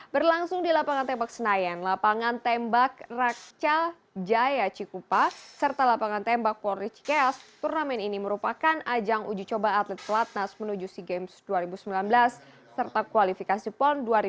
berlangsung di lapangan tembak senayan lapangan tembak rakca jaya cikupa serta lapangan tembak polri cikeas turnamen ini merupakan ajang uji coba atlet pelatnas menuju sea games dua ribu sembilan belas serta kualifikasi pon dua ribu dua puluh